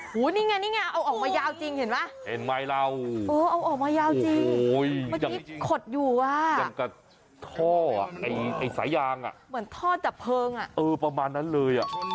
โอ้โหนี่ไงนี่ไงเอาออกมายาวจริงเห็นไหมเห็นไม้เราเอาออกมายาวจริงเมื่อกี้ขดอยู่อ่ะอย่างกับท่อไอ้สายยางอ่ะเหมือนท่อดับเพลิงอ่ะเออประมาณนั้นเลยอ่ะ